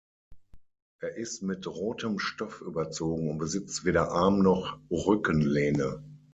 Er ist mit rotem Stoff überzogen und besitzt weder Arm- noch Rückenlehne.